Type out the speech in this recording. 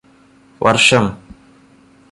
വർഷം